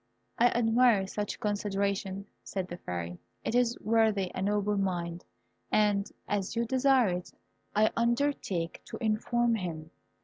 "I admire such consideration," said the Fairy; "it is worthy a noble mind, and as you desire it, I undertake to inform him."